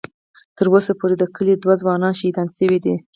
ـ تر اوسه پورې د کلي دوه ځوانان شهیدان شوي دي.